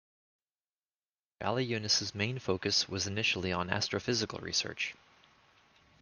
Baliunas's main focus was initially on astrophysical research.